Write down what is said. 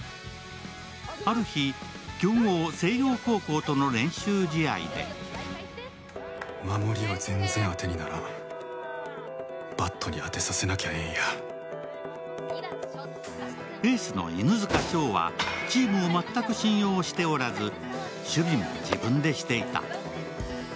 ある日、強豪・星葉高校との練習試合でエースの犬塚翔はチームを全く信用しておらず守備も自分でしていた。